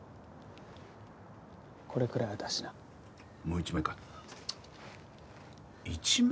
これくらいは出しなもう１枚か１万？